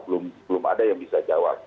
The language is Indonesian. belum ada yang bisa jawab